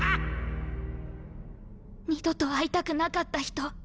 二度と会いたくなかった人。